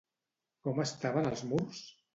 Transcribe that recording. Com estaven els murs?